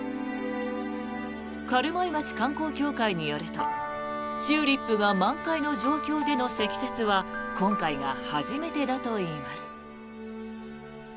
軽米町観光協会によるとチューリップが満開の状況での積雪は今回が初めてだといいます。